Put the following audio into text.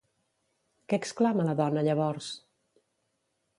Què exclama la dona llavors?